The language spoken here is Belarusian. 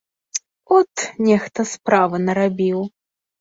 От, нехта справы нарабіў!